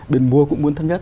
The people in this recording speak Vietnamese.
bên mua cũng muốn thấp nhất